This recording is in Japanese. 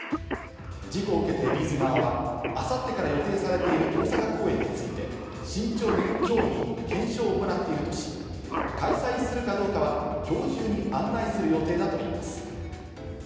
事故を受けてＢ’ｚ側はあさってから予定されている大阪公演について、慎重に協議・検証を行っているとし、開催するかどうかは今日中に案内する予定だといいます。